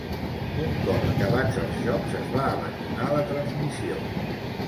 Un cop acabats els Jocs es va abandonar la transmissió.